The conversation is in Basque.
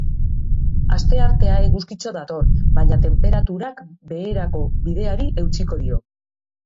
Asteartea eguzkitsu dator baina tenperaturak beherako bideari eutsiko dio.